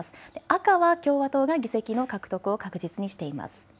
赤は共和党が議席の獲得を確実にしています。